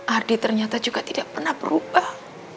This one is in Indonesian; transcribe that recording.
ardi ternyata juga tidak pernah berubah